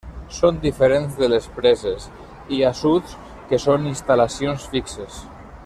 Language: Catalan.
Són diferents de les preses i assuts que són instal·lacions fixes.